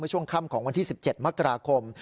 ช่วงค่ำของวันที่๑๗มกราคม